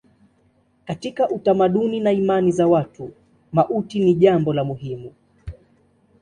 Katika utamaduni na imani za watu mauti ni jambo muhimu.